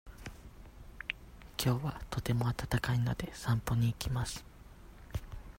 きょうはとても暖かいので、散歩に行きます。